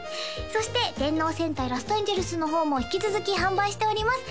そして「電脳戦隊ラストエンジェルス」の方も引き続き販売しております